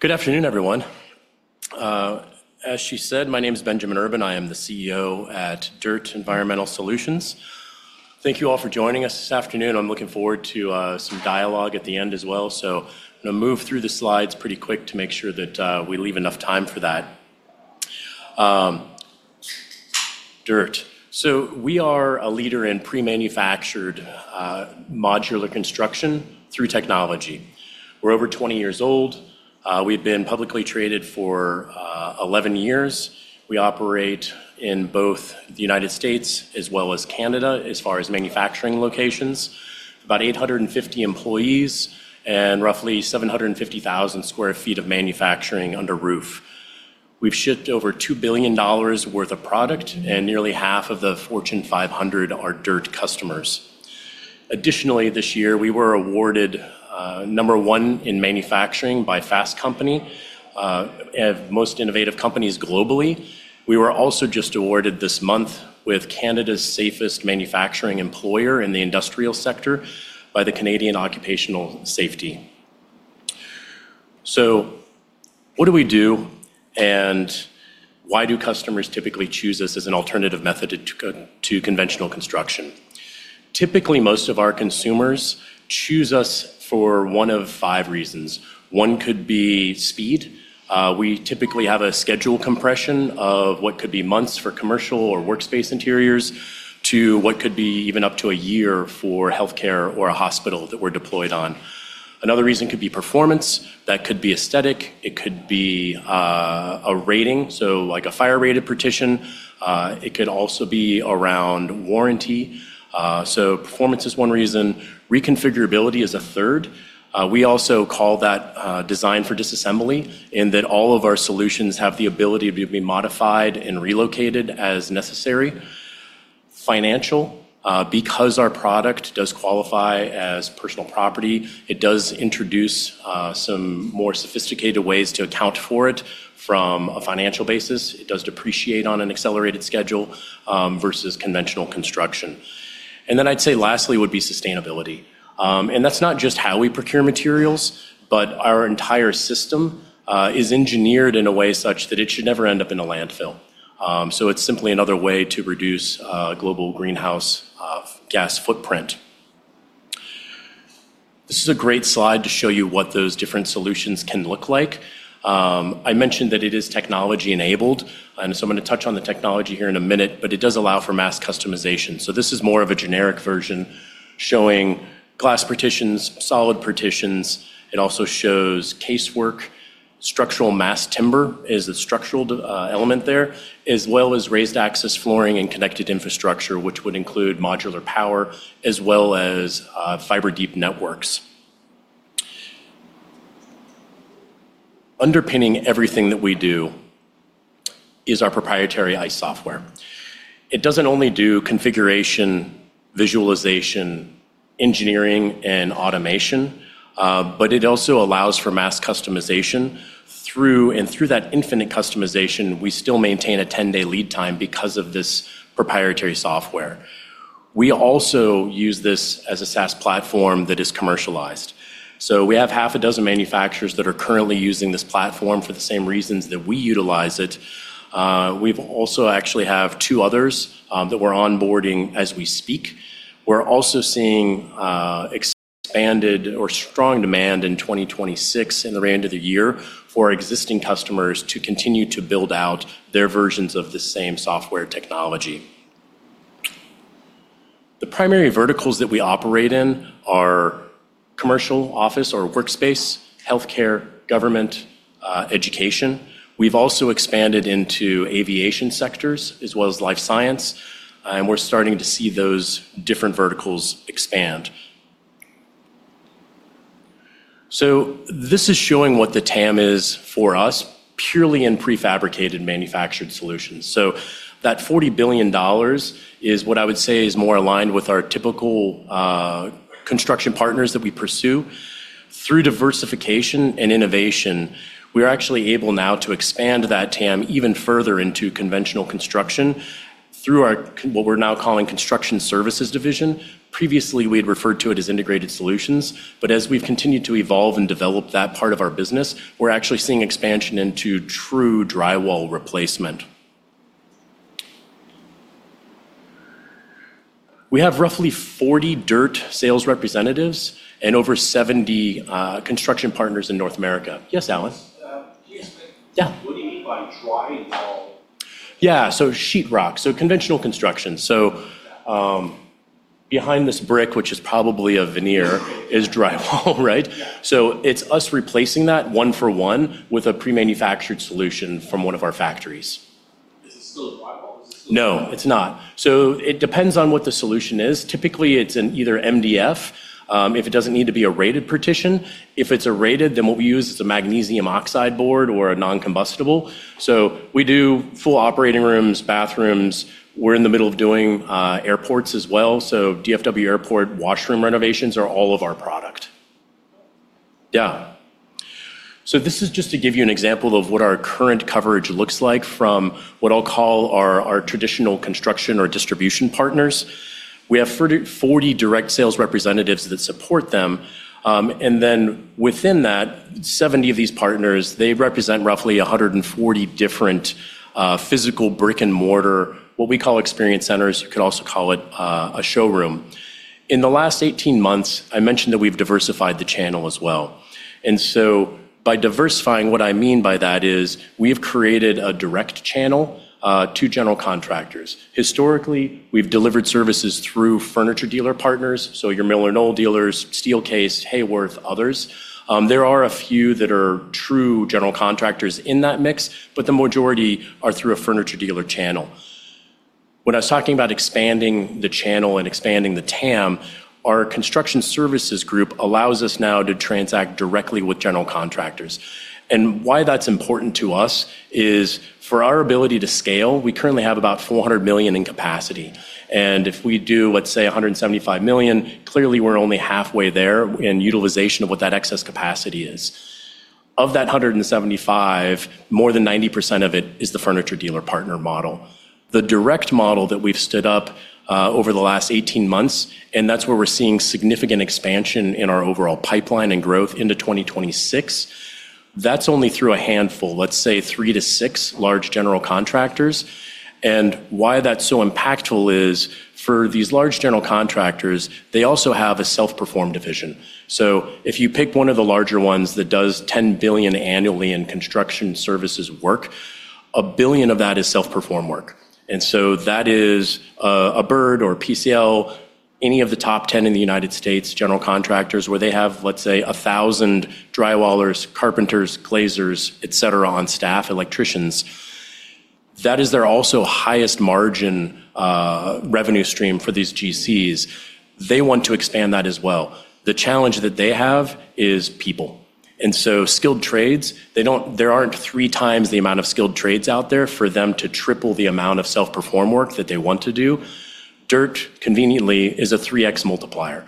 Good afternoon, everyone. As she said, my name is Benjamin Urban. I am the CEO at DIRTT Environmental Solutions. Thank you all for joining us this afternoon. I'm looking forward to some dialogue at the end as well. I'm going to move through the slides pretty quick to make sure that we leave enough time for that. DIRTT. We are a leader in pre-manufactured modular construction through technology. We're over 20 years old. We've been publicly traded for 11 years. We operate in both the United States as well as Canada as far as manufacturing locations, about 850 employees and roughly 750,000 sq ft of manufacturing under roof. We've shipped over $2 billion worth of product, and nearly half of the Fortune 500 are DIRTT customers. Additionally, this year we were awarded number one in manufacturing by Fast Company, one of the most innovative companies globally. We were also just awarded this month with Canada's safest manufacturing employer in the industrial sector by the Canadian Occupational Safety. What do we do and why do customers typically choose us as an alternative method to conventional construction? Typically, most of our consumers choose us for one of five reasons. One could be speed. We typically have a schedule compression of what could be months for commercial or workspace interiors to what could be even up to a year for health care or a hospital that we're deployed on. Another reason could be performance. That could be aesthetic. It could be a rating, like a fire-rated partition. It could also be around warranty. Performance is one reason. Reconfigurability is a third. We also call that design for disassembly in that all of our solutions have the ability to be modified and relocated as necessary. Financial, because our product does qualify as personal property, it does introduce some more sophisticated ways to account for it from a financial basis. It does depreciate on an accelerated schedule versus conventional construction. Lastly would be sustainability. That's not just how we procure materials, but our entire system is engineered in a way such that it should never end up in a landfill. It's simply another way to reduce global greenhouse gas footprint. This is a great slide to show you what those different solutions can look like. I mentioned that it is technology enabled, and I'm going to touch on the technology here in a minute. It does allow for mass customization. This is more of a generic version showing glass partitions, solid partitions. It also shows casework. Structural mass timber is a structural element there, as well as raised access flooring and connected infrastructure, which would include modular power as well as fiber-deep networks. Underpinning everything that we do is our proprietary ICE software. It doesn't only do configuration, visualization, engineering, and automation, it also allows for mass customization. Through that infinite customization, we still maintain a 10-day lead time because of this proprietary software. We also use this as a SaaS platform that is commercialized. We have half a dozen manufacturers that are currently using this platform for the same reasons that we utilize it. We also actually have two others that we're onboarding as we speak. We're also seeing expanded or strong demand in 2026 and the remainder of the year for existing customers to continue to build out their versions of the same software technology. The primary verticals that we operate in are commercial office or workspace, health care, government, education. We've also expanded into aviation sectors as well as life science, and we're starting to see those different verticals expand. This is showing what the TAM is for us purely in prefabricated manufactured solutions. That $40 billion is what I would say is more aligned with our typical construction partners that we pursue. Through diversification and innovation, we are actually able now to expand that total addressable market even further into conventional construction through what we're now calling Construction Services Division. Previously, we had referred to it as Integrated Solutions. As we've continued to evolve and develop that part of our business, we're actually seeing expansion into true drywall replacement. We have roughly 40 DIRTT sales representatives and over 70 construction partners in North America. Yes, Allen? Yes, what do you mean by drywall? Yeah, so sheetrock, so conventional construction. Behind this brick, which is probably a veneer, is drywall, right? It's us replacing that one for one with a pre-manufactured solution from one of our factories. Is it still drywall? No, it's not. It depends on what the solution is. Typically, it's in either MDF if it doesn't need to be a rated partition. If it's a rated, then what we use is a magnesium oxide board or a non-combustible. We do full operating rooms, bathrooms. We're in the middle of doing airports as well. DFW airport washroom renovations are all of our product. Whoa. Yeah. This is just to give you an example of what our current coverage looks like from what I'll call our traditional construction or distribution partners. We have 40 direct sales representatives that support them. Within that, 70 of these partners represent roughly 140 different physical brick and mortar, what we call experience centers. You could also call it a showroom. In the last 18 months, I mentioned that we've diversified the channel as well. By diversifying, what I mean by that is we have created a direct channel to general contractors. Historically, we've delivered services through furniture dealer partners, so your MillerKnoll dealers, Steelcase, Haworth, others. There are a few that are true general contractors in that mix, but the majority are through a furniture dealer channel. When I was talking about expanding the channel and expanding the total addressable market, our construction services group allows us now to transact directly with general contractors. Why that's important to us is for our ability to scale. We currently have about $400 million in capacity. If we do, let's say, $175 million, clearly we're only halfway there in utilization of what that excess capacity is. Of that $175 million, more than 90% of it is the furniture dealer partner model. The direct model that we've stood up over the last 18 months, that's where we're seeing significant expansion in our overall pipeline and growth into 2026. That's only through a handful, let's say, three to six large general contractors. Why that's so impactful is for these large general contractors, they also have a self-perform division. If you pick one of the larger ones that does $10 billion annually in construction services work, $1 billion of that is self-perform work. That is a Bird or a PCL, any of the top 10 in the United States general contractors where they have, let's say, 1,000 drywallers, carpenters, glaziers, electricians, et cetera, on staff. That is also their highest margin revenue stream for these GCs. They want to expand that as well. The challenge that they have is people. Skilled trades, there aren't 3x the amount of skilled trades out there for them to triple the amount of self-perform work that they want to do. DIRTT conveniently is a 3x multiplier.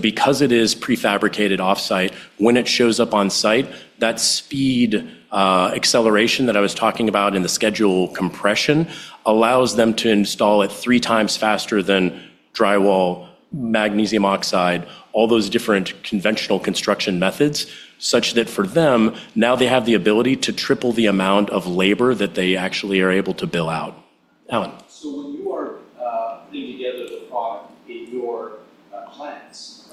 Because it is prefabricated off-site, when it shows up on site, that speed acceleration that I was talking about in the schedule compression allows them to install it 3x faster than drywall, magnesium oxide, all those different conventional construction methods, such that for them, now they have the ability to triple the amount of labor that they actually are able to bill out. Allen? When you are putting together the product in your plants,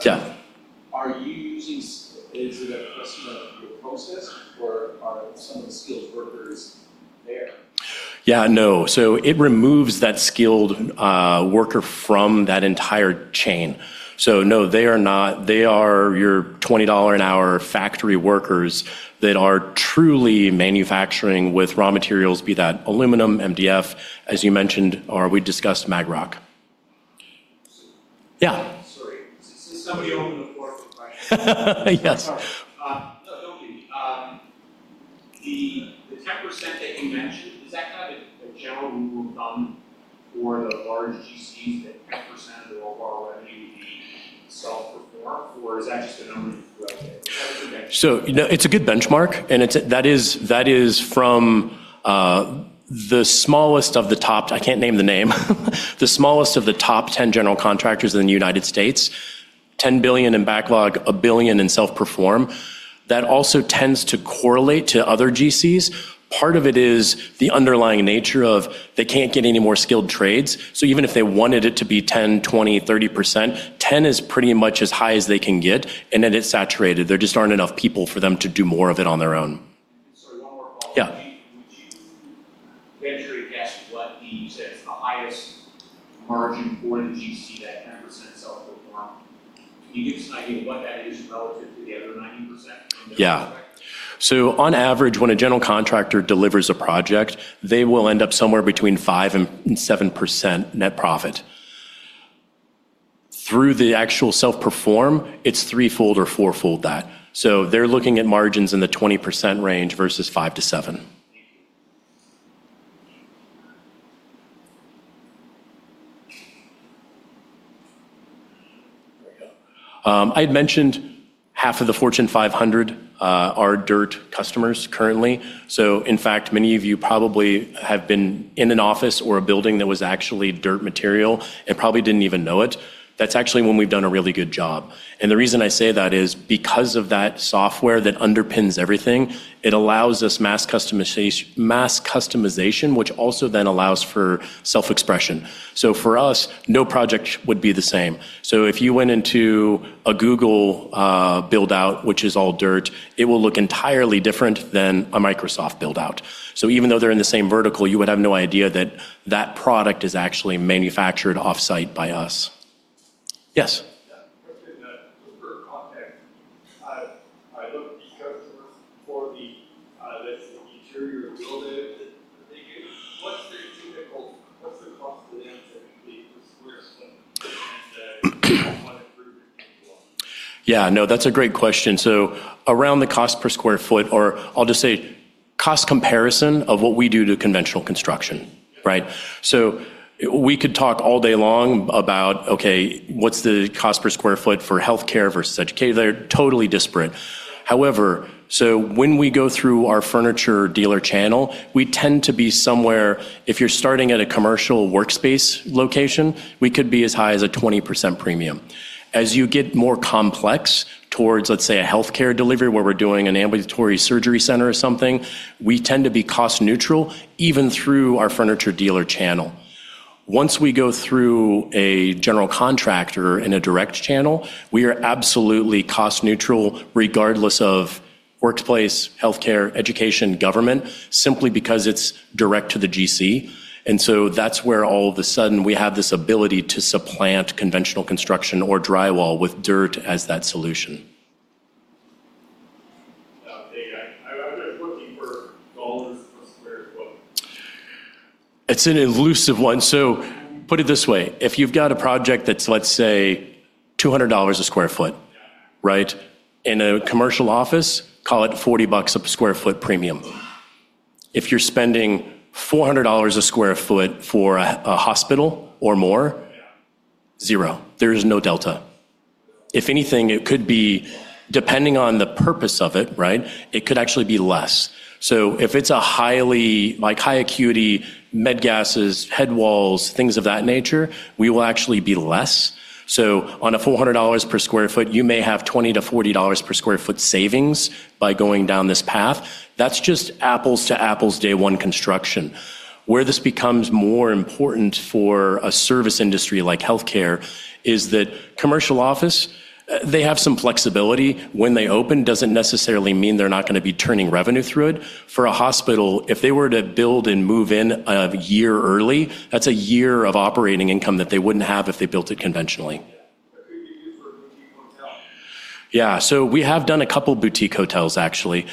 are you using it so that a customer can get processed, or are some of the skilled workers there? No, it removes that skilled worker from that entire chain. No, they are not. They are your $20 an hour factory workers that are truly manufacturing with raw materials, be that aluminum, MDF, as you mentioned, or we discussed Magrock. So. Yeah. Sorry, did somebody open the floor for a question? Yes. No, don't be mean. The 10% that you mentioned, is that kind of a general rule of thumb for the large general contractors that 10% of their overall revenue would be self-perform, or is that just a number that you throw out there? It is a good benchmark. That is from the smallest of the top 10 general contractors in the United States, $10 billion in backlog, $1 billion in self-perform. That also tends to correlate to other GCs. Part of it is the underlying nature of they can't get any more skilled trades. Even if they wanted it to be 10%, 20%, 30%, 10% is pretty much as high as they can get. Then it is saturated. There just aren't enough people for them to do more of it on their own. Sorry, one more color. Yeah. Would you venture a guess what the, you said, the highest margin for the general contractors, that 10% self-perform, can you give us an idea of what that is relative to the other 90%? Yeah. On average, when a general contractor delivers a project, they will end up somewhere between 5% and 7% net profit. Through the actual self-perform, it's threefold or fourfold that. They're looking at margins in the 20% range versus 5%-7%. Thank you. I had mentioned half of the Fortune 500 are DIRTT customers currently. In fact, many of you probably have been in an office or a building that was actually DIRTT material and probably didn't even know it. That's actually when we've done a really good job. The reason I say that is because of that software that underpins everything, it allows us mass customization, which also then allows for self-expression. For us, no project would be the same. If you went into a Google build-out, which is all DIRTT, it will look entirely different than a Microsoft build-out. Even though they're in the same vertical, you would have no idea that that product is actually manufactured off-site by us. Yes? Yeah, I'm going to put it in a little bit of context. I looked at these customers for the, let's say, interior wheel there. What's their typical, what's the cost to them typically per square foot? Do you have one improvement? Yeah, no, that's a great question. Around the cost per square foot, or I'll just say cost comparison of what we do to conventional construction, right? We could talk all day long about, OK, what's the cost per square foot for health care versus education? They're totally disparate. When we go through our furniture dealer channel, we tend to be somewhere, if you're starting at a commercial workspace location, we could be as high as a 20% premium. As you get more complex towards, let's say, a health care delivery where we're doing an ambulatory surgery center or something, we tend to be cost neutral even through our furniture dealer channel. Once we go through a general contractor in a direct channel, we are absolutely cost neutral regardless of workspace, health care, education, government, simply because it's direct to the GC. That's where all of a sudden we have this ability to supplant conventional construction or drywall with DIRTT as that solution. I'm just looking for dollars per square foot. It's an elusive one. Put it this way. If you've got a project that's, let's say, $200 a sq ft in a commercial office, call it $40 a sq ft premium. If you're spending $400 a sq ft for a hospital or more, zero. There is no delta. If anything, it could be, depending on the purpose of it, it could actually be less. If it's a high acuity med gases, head walls, things of that nature, we will actually be less. On a $400 per sq ft, you may have $20-$40 per sq ft savings by going down this path. That's just apples to apples, day one construction. Where this becomes more important for a service industry like health care is that commercial office, they have some flexibility when they open. Doesn't necessarily mean they're not going to be turning revenue through it. For a hospital, if they were to build and move in a year early, that's a year of operating income that they wouldn't have if they built it conventionally. That could be good for a boutique hotel. Yeah, so we have done a couple boutique hotels, actually.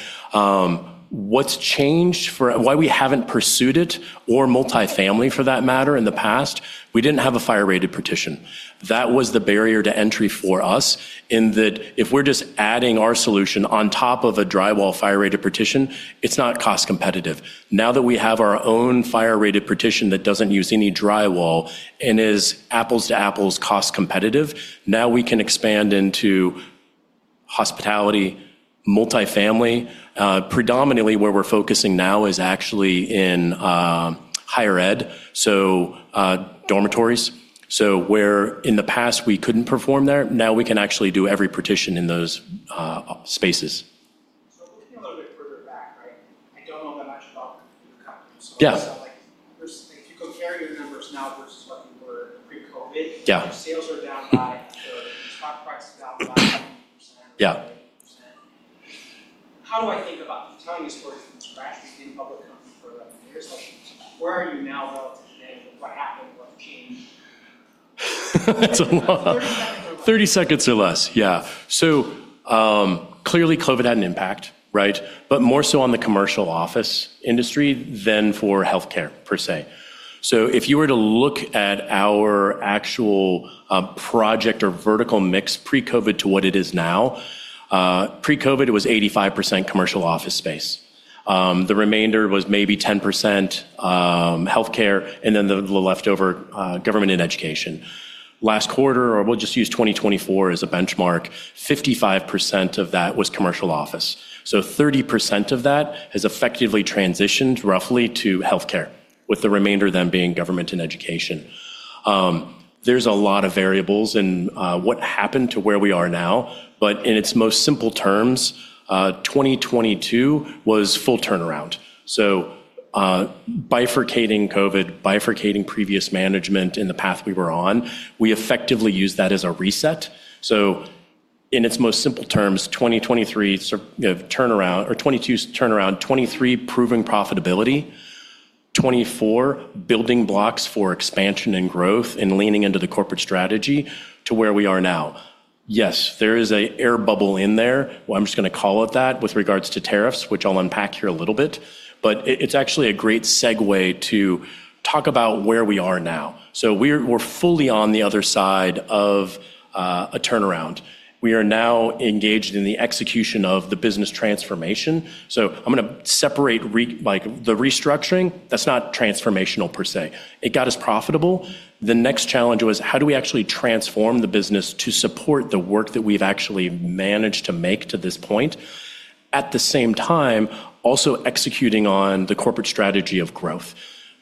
What's changed for why we haven't pursued it, or multifamily for that matter, in the past, we didn't have a fire-rated partition. That was the barrier to entry for us in that if we're just adding our solution on top of a drywall fire-rated partition, it's not cost competitive. Now that we have our own fire-rated partition that doesn't use any drywall and is apples to apples cost competitive, now we can expand into hospitality, multifamily. Predominantly, where we're focusing now is actually in higher ed, so dormitories. Where in the past we couldn't perform there, now we can actually do every partition in those spaces. Looking a little bit further back, right, I don't know that much about the company. It sounds like if you compare your numbers now versus what you were pre-COVID, sales are down high. Your stock price is down about 20% or 30%. How do I think about telling a story from scratch? You've been in public company for 11 years. Where are you now relative to then? What happened? What changed? That's a lot. 30 seconds or less. 30 seconds or less, yeah. Clearly, COVID had an impact, right? More so on the commercial office industry than for health care per se. If you were to look at our actual project or vertical mix pre-COVID to what it is now, pre-COVID, it was 85% commercial office space. The remainder was maybe 10% health care, and then the leftover, government and education. Last quarter, or we'll just use 2024 as a benchmark, 55% of that was commercial office. 30% of that has effectively transitioned roughly to health care, with the remainder of them being government and education. There are a lot of variables in what happened to where we are now. In its most simple terms, 2022 was full turnaround. Bifurcating COVID, bifurcating previous management in the path we were on, we effectively used that as a reset. In its most simple terms, 2022's turnaround, 2023 proving profitability, 2024 building blocks for expansion and growth and leaning into the corporate strategy to where we are now. There is an air bubble in there. I'm just going to call it that with regards to tariffs, which I'll unpack here a little bit. It's actually a great segue to talk about where we are now. We are fully on the other side of a turnaround. We are now engaged in the execution of the business transformation. I'm going to separate the restructuring. That's not transformational per se. It got us profitable. The next challenge was how do we actually transform the business to support the work that we've actually managed to make to this point, at the same time also executing on the corporate strategy of growth.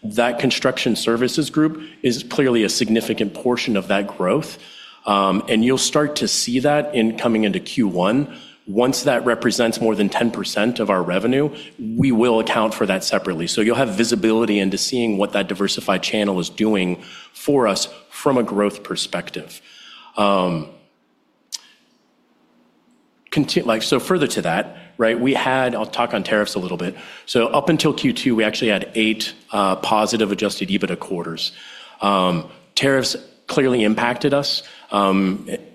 That construction services group is clearly a significant portion of that growth. You'll start to see that coming into Q1. Once that represents more than 10% of our revenue, we will account for that separately. You'll have visibility into seeing what that diversified channel is doing for us from a growth perspective. Further to that, I’ll talk on tariffs a little bit. Up until Q2, we actually had eight positive adjusted EBITDA quarters. Tariffs clearly impacted us.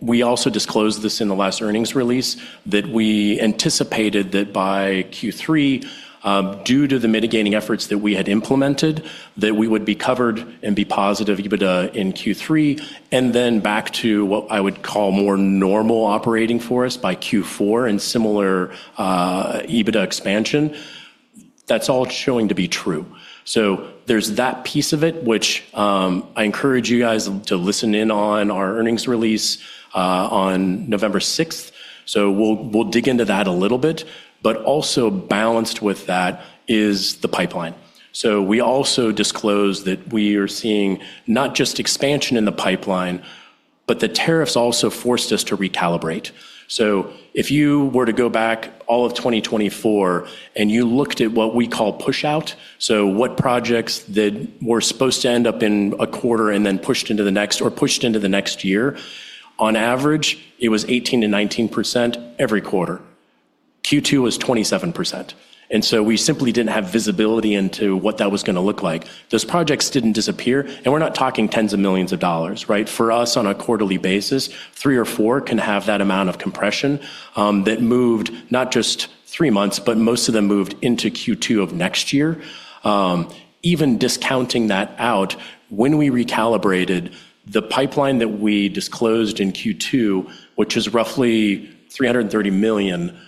We also disclosed this in the last earnings release that we anticipated that by Q3, due to the mitigating efforts that we had implemented, we would be covered and be positive EBITDA in Q3. Back to what I would call more normal operating for us by Q4 and similar EBITDA expansion, that's all showing to be true. There is that piece of it, which I encourage you guys to listen in on our earnings release on November 6th. We will dig into that a little bit. Also balanced with that is the pipeline. We also disclosed that we are seeing not just expansion in the pipeline, but the tariffs also forced us to recalibrate. If you were to go back all of 2024 and you looked at what we call push out, what projects that were supposed to end up in a quarter and then pushed into the next or pushed into the next year, on average, it was 18%-19% every quarter. Q2 was 27%. We simply did not have visibility into what that was going to look like. Those projects did not disappear. We are not talking tens of millions of dollars, right? For us on a quarterly basis, three or four can have that amount of compression that moved not just three months, but most of them moved into Q2 of next year. Even discounting that out, when we recalibrated, the pipeline that we disclosed in Q2, which is roughly $330 million,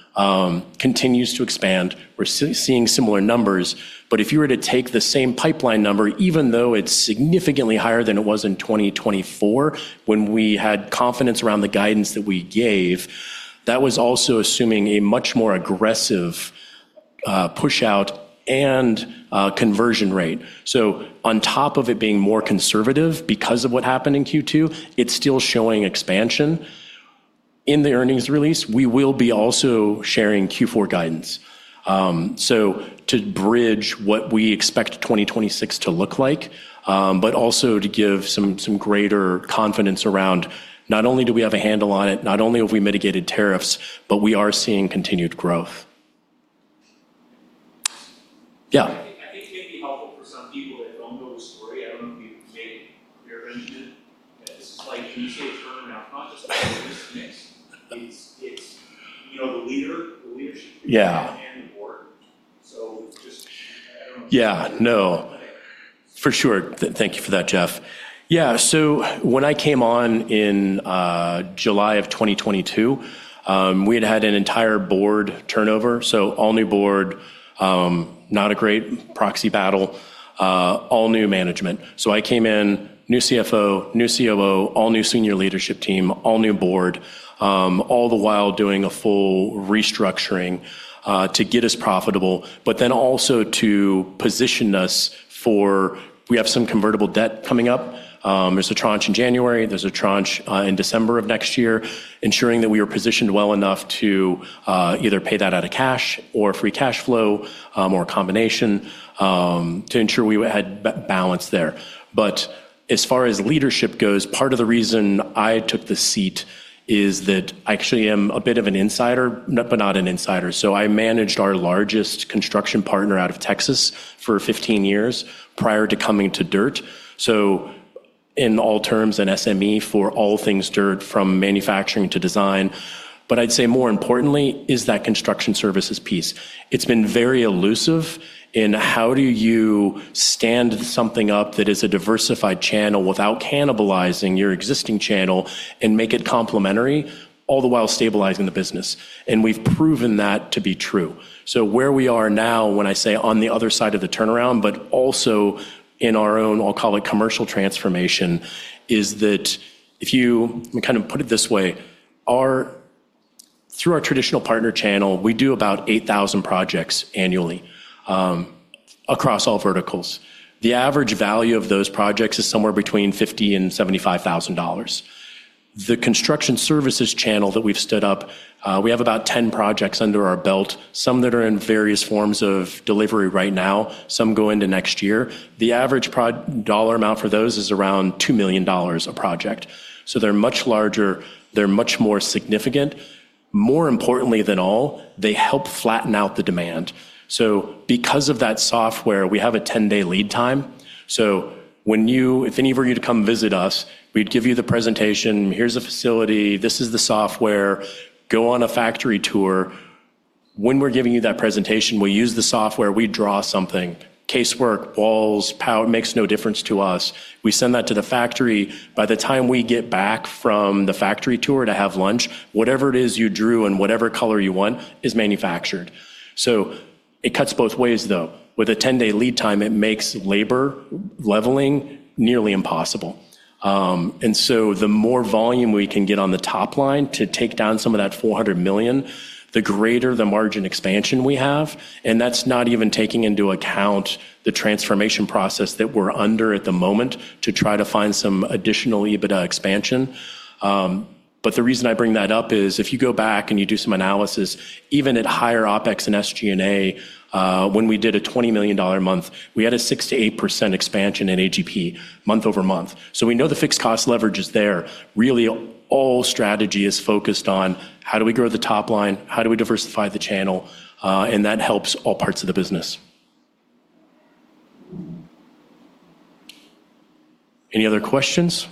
continues to expand. We are seeing similar numbers. If you were to take the same pipeline number, even though it is significantly higher than it was in 2024, when we had confidence around the guidance that we gave, that was also assuming a much more aggressive push out and conversion rate. On top of it being more conservative because of what happened in Q2, it is still showing expansion. In the earnings release, we will also be sharing Q4 guidance to bridge what we expect 2026 to look like, but also to give some greater confidence around not only do we have a handle on it, not only have we mitigated tariffs, but we are seeing continued growth. Yeah. I think it may be helpful for some people that don't know the story. I don't know if you've made it clearer than you did. This is like when you say a term now, it's not just about the risk mix. It's the leader, the leadership figure, and the board. I don't know. Yeah, no, for sure. Thank you for that, Jeff. Yeah, so when I came on in July of 2022, we had had an entire board turnover. All new board, not a great proxy battle, all new management. I came in, new CFO, new COO, all new senior leadership team, all new board, all the while doing a full restructuring to get us profitable, but then also to position us for we have some convertible debt coming up. There's a tranche in January. There's a tranche in December of next year, ensuring that we were positioned well enough to either pay that out of cash or free cash flow or a combination to ensure we had balance there. As far as leadership goes, part of the reason I took the seat is that I actually am a bit of an insider, but not an insider. I managed our largest construction partner out of Texas for 15 years prior to coming to DIRTT. In all terms, an SME for all things DIRTT, from manufacturing to design. I'd say more importantly is that construction services piece. It's been very elusive in how do you stand something up that is a diversified channel without cannibalizing your existing channel and make it complementary, all the while stabilizing the business. We've proven that to be true. Where we are now, when I say on the other side of the turnaround, but also in our own, I'll call it commercial transformation, is that if you, I'm going to kind of put it this way, through our traditional partner channel, we do about 8,000 projects annually across all verticals. The average value of those projects is somewhere between $50,000 and $75,000. The construction services channel that we've stood up, we have about 10 projects under our belt, some that are in various forms of delivery right now, some go into next year. The average dollar amount for those is around $2 million a project. They're much larger. They're much more significant. More importantly than all, they help flatten out the demand. Because of that software, we have a 10-day lead time. If any of you were to come visit us, we'd give you the presentation. Here's a facility. This is the software. Go on a factory tour. When we're giving you that presentation, we'll use the software. We draw something, casework, walls, power, it makes no difference to us. We send that to the factory. By the time we get back from the factory tour to have lunch, whatever it is you drew and whatever color you want is manufactured. It cuts both ways, though. With a 10-day lead time, it makes labor leveling nearly impossible. The more volume we can get on the top line to take down some of that $400 million, the greater the margin expansion we have. That is not even taking into account the transformation process that we're under at the moment to try to find some additional EBITDA expansion. The reason I bring that up is if you go back and you do some analysis, even at higher OpEx and SG&A, when we did a $20 million month, we had a 6%-8% expansion in AGP month over month. We know the fixed cost leverage is there. Really, all strategy is focused on how do we grow the top line, how do we diversify the channel, and that helps all parts of the business. Any other questions?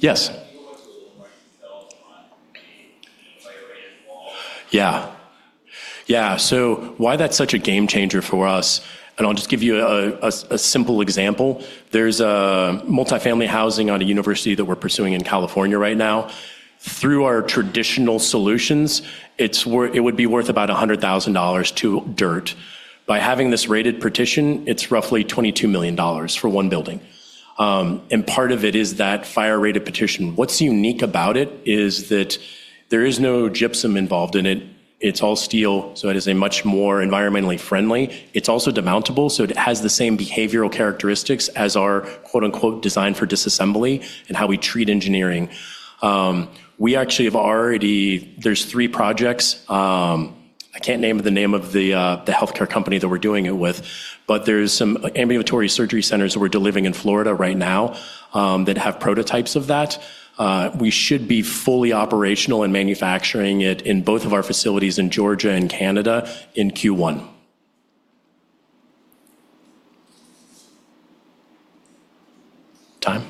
Yes? I think you'll go back to the one where I can sell on a fire-rated partition system. Yeah, yeah, so why that's such a game changer for us. I'll just give you a simple example. There's a multifamily housing on a university that we're pursuing in California right now. Through our traditional solutions, it would be worth about $100,000 to DIRTT. By having this rated partition, it's roughly $22 million for one building. Part of it is that fire-rated partition. What's unique about it is that there is no gypsum involved in it. It's all steel. It is much more environmentally friendly. It's also demountable, so it has the same behavioral characteristics as our quote unquote design for disassembly and how we treat engineering. We actually have already, there's three projects. I can't name the name of the health care company that we're doing it with, but there's some ambulatory surgery centers that we're delivering in Florida right now that have prototypes of that. We should be fully operational and manufacturing it in both of our facilities in Georgia and Canada in Q1. Thank you. Time.